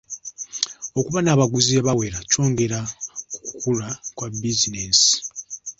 Okuba n'abaguzi abawera kyongera ku kukula kwa bizinensi.